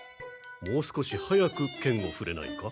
もう少し速く剣をふれないか？